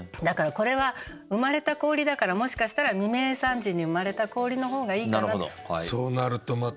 だからこれは「生まれた氷」だからもしかしたら「未明３時に生まれた氷」の方がいいかなと。